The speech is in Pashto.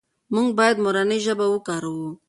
موږ باید مورنۍ ژبه وکاروو.